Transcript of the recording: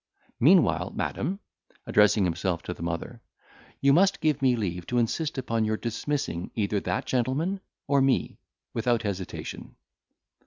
Meanwhile, madam," addressing himself to the mother, "you must give me leave to insist upon your dismissing either that gentleman, or me, without hesitation."